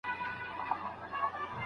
سوغاتونه بايد د ولور د ځنډ سبب نه سي.